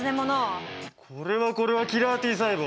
これはこれはキラーＴ細胞。